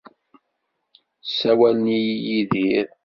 Sawalen-iyi Yidir.